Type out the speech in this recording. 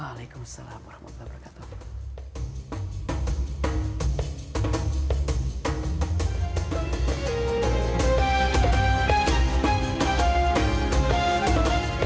wa'alaikumussalam warahmatullahi wabarakatuh